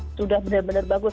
sudah benar benar bagus